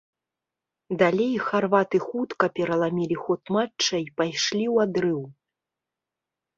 Далей харваты хутка пераламілі ход матча і пайшлі ў адрыў.